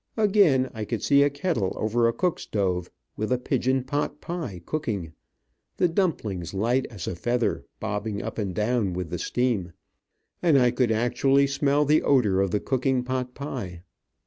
Again I could see a kettle over a cook stove, with a pigeon pot pie cooking, the dumpings, light as a feather, bobbing up and down with the steam, and I could actually smell the odor of the cooking pot pie.